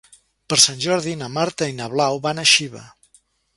Per Sant Jordi na Marta i na Blau van a Xiva.